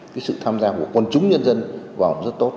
cái sự tham gia của quân chúng nhân dân vào rất tốt